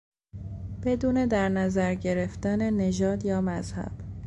بدون در نظر گرفتن نژاد یا مذهب